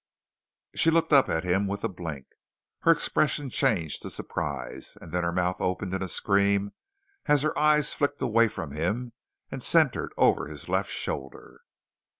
She looked up at him with a blink. Her expression changed to surprise, and then her mouth opened in a scream as her eyes flicked away from him and centered over his left shoulder.